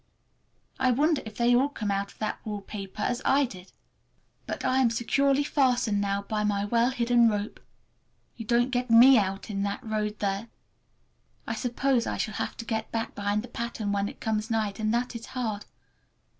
I wonder if they all come out of that wallpaper as I did? But I am securely fastened now by my well hidden rope—you don't get me out in the road there! I suppose I shall have to get back behind the pattern when it comes night, and that is hard!